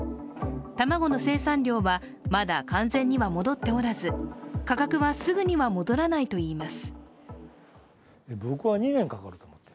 卵の生産量はまだ完全には戻っておらず、価格はすぐには戻らないといいます。